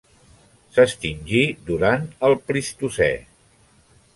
S'extingí durant el Plistocè.